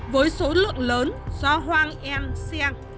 với số lượng lớn do hoang en seng